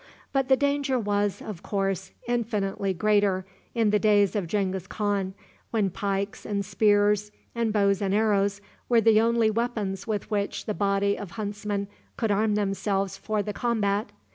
But the danger was, of course, infinitely greater in the days of Genghis Khan, when pikes and spears, and bows and arrows, were the only weapons with which the body of huntsmen could arm themselves for the combat.